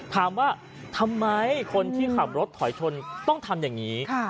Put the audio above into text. ถามว่าทำไมคนที่ขับรถถอยชนต้องทำอย่างนี้